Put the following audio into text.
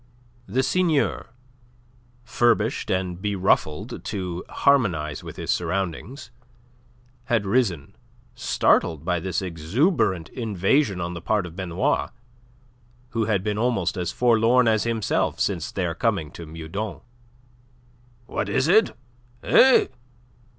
The Seigneur furbished and beruffled to harmonize with his surroundings had risen, startled by this exuberant invasion on the part of Benoit, who had been almost as forlorn as himself since their coming to Meudon. "What is it? Eh?"